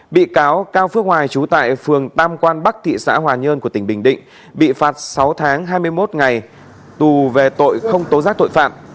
bị cáo cao phước hoài trú tại phường tam quan bắc thị xã hòa nhơn của tỉnh bình định bị phạt sáu tháng hai mươi một ngày tù về tội không tố giác tội phạm